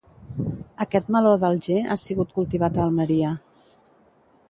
Aquest meló d'Alger ha sigut cultivat a Almeria.